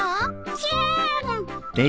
チャーン。